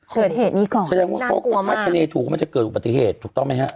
เกิดเหตุนี้ก่อนน่ากลัวมากแพทย์นี้ถูกก็ไม่เกิดอุปติเหตุถูกต้องไหมฮะ